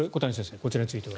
こちらについては？